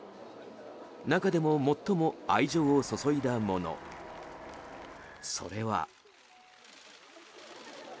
中でも最も愛情を注いだものそれは。